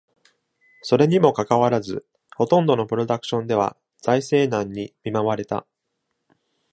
それにもかかわらず、ほとんどのプロダクションでは財政難にみまわれた。